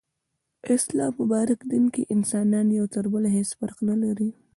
اسلام مبارک دين کي انسانان يو تر بله هيڅ فرق نلري